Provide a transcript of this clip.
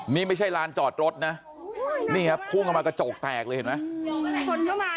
นี่ไม่ใช่ลานจอดรถนะนี่ครับพุ่งเข้ามากระจกแตกเลยเห็นไหมงง